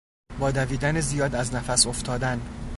با دویدن زیاد از نفس افتادن